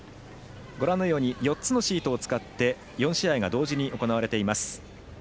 ４つのシートを使って４試合が同時に行われています。